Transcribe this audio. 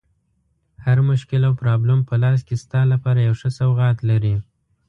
هر مشکل او پرابلم په لاس کې ستا لپاره یو ښه سوغات لري.